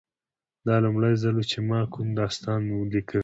دا لومړی ځل و چې ما کوم داستان لیکه